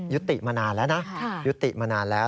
ยุติมานานแล้วนะยุติมานานแล้ว